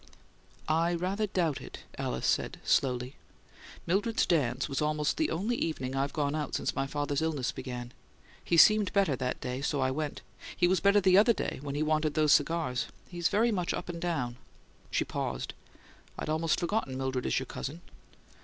"I rather doubt it," Alice said, slowly. "Mildred's dance was almost the only evening I've gone out since my father's illness began. He seemed better that day; so I went. He was better the other day when he wanted those cigars. He's very much up and down." She paused. "I'd almost forgotten that Mildred is your cousin."